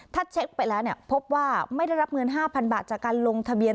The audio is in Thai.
ถ้าเช็คไปแล้วพบว่าไม่ได้รับเงิน๕๐๐บาทจากการลงทะเบียน